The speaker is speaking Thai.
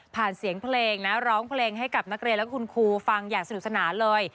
เสียงเพลงนะร้องเพลงให้กับนักเรียนและคุณครูฟังอย่างสนุกสนานเลย